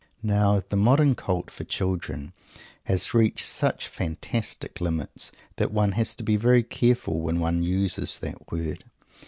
Now, the modern cult for children has reached such fantastic limits that one has to be very careful when one uses that word.